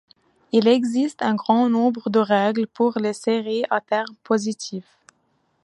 Il existe un grand nombre de règles pour les séries à termes positifs.